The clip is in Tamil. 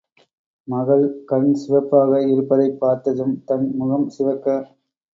மகள் கண் சிவப்பாக இருப்பதைப் பார்த்ததும் தன் முகம் சிவக்க.